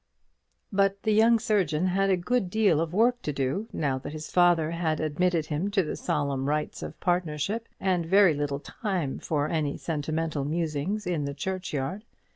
But the young surgeon had a good deal of work to do, now that his father had admitted him to the solemn rights of partnership, and very little time for any sentimental musings in the churchyard.